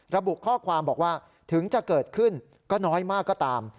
ระบุข้อความบอกว่าถึงจะเกิดขึ้นก็น้อยมากก็ตาม